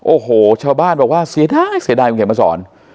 โอ้โหชาวบ้านบอกว่าเสียดายเสียดายคุณเขียนมาสอน